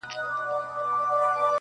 که په ژړا کي مصلحت وو، خندا څه ډول وه,